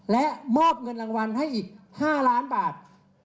และมอบเงินรางวัลให้อีก๕ล้านบาท